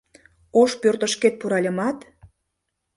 Ошпӧртышкет пуральымат